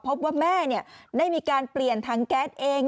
พบว่าแม่ได้มีการเปลี่ยนถังแก๊สเอง